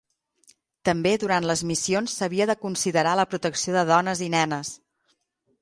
També durant les missions s'havia de considerar la protecció de dones i nenes.